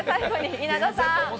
稲田さん